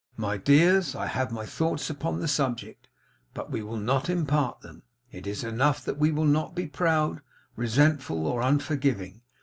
My dears, I have my thoughts upon the subject, but I will not impart them. It is enough that we will not be proud, resentful, or unforgiving.